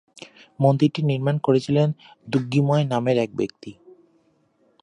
মন্দিরটি নির্মাণ করেছিলেন দুগ্গিময় নামে এক ব্যক্তি।